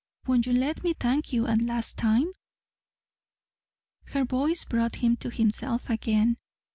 "Won't you let me thank you a last time?" Her voice brought him to himself again.